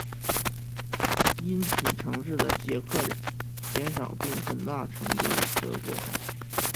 因此城市的捷克人减少并很大程度德国化。